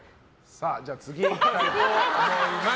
じゃあ、次いきたいと思います。